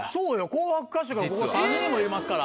紅白歌手がここ３人もいますから。